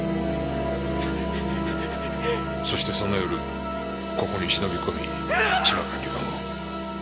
そしてその夜ここに忍び込み芝管理官を。